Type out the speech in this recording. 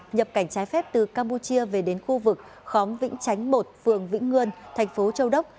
nhập cảnh trái phép từ campuchia về đến khu vực khóm vĩnh chánh một phường vĩnh ngươn thành phố châu đốc